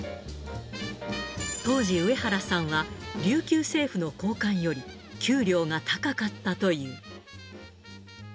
当時、上原さんは琉球政府の高官より給料が高かったという。